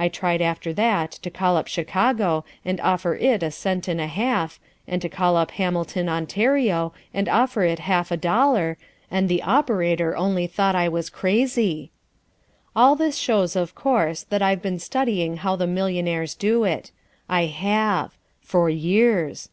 I tried after that to call up Chicago and offer it a cent and a half, and to call up Hamilton, Ontario, and offer it half a dollar, and the operator only thought I was crazy. All this shows, of course, that I've been studying how the millionaires do it. I have. For years.